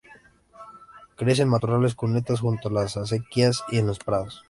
Crece en matorrales, cunetas, junto a las acequias y en los prados.